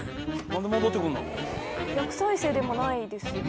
逆再生でもないですよね？